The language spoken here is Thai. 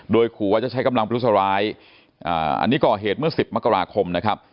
โดยขู่ว่าจะใช้กำลังพลุสร้ายอันนี้ก่อเหตุเมื่อ๑๐มกราคมนะครับ